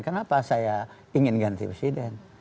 kenapa saya ingin ganti presiden